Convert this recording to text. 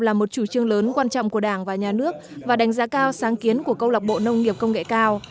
là một chủ trương lớn quan trọng của đảng và nhà nước và đánh giá cao sáng kiến của câu lạc bộ nông nghiệp công nghệ cao